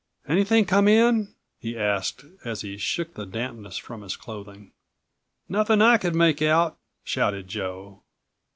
"Anything come in?" he asked as he shook the dampness from his clothing. "Nothing I could make out," shouted Joe.